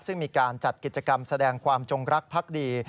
ซึ่งมีการจัดกิจกรรมแสดงความจงรักพักดี